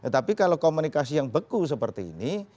tapi kalau komunikasi yang beku seperti ini